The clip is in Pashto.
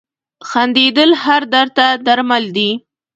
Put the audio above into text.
• خندېدل هر درد ته درمل دي.